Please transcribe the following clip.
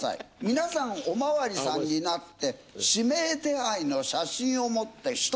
皆さんお巡りさんになって指名手配の写真を持ってひと言。